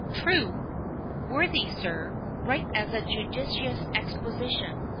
"True, worthy sir—right as a judicious exposition.